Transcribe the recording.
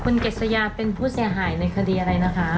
คุณเกษยาเป็นผู้เสียหายในคดีอะไรนะคะ